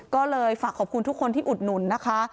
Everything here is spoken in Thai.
ก็เลยฝากขอบคุณทุกคนที่อุดหนุนนะคะ